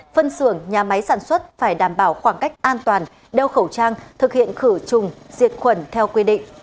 phân xưởng nhà máy sản xuất phải đảm bảo khoảng cách an toàn đeo khẩu trang thực hiện khử trùng diệt khuẩn theo quy định